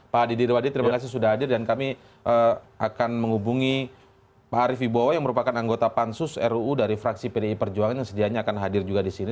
pak didirwadi terima kasih sudah hadir dan kami akan menghubungi pak arief ibowo yang merupakan anggota pansus ruu dari fraksi pdi perjuangan yang sedianya akan hadir juga di sini